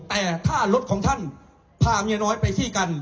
แต่ถ้ารถของท่านพาเมียน้อยไปที่กัน